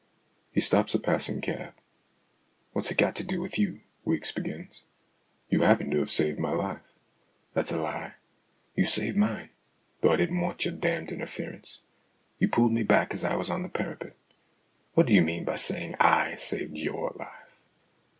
He stops a passing cab. " What's it got to do with you ?" Weeks begins. " You happen to have saved my life." " That's a lie. You saved mine, though I didn't want your damned interference. You pulled me back as I was on the parapet. What do you mean by saying / saved your life